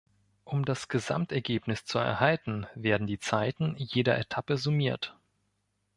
Um das Gesamtergebnis zu erhalten, werden die Zeiten jeder Etappe summiert.